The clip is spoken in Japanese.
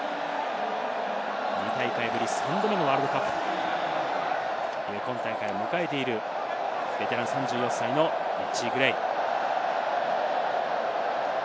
２大会ぶり３度目のワールドカップという今大会を迎えているベテラン、３４歳のリッチー・グレイ。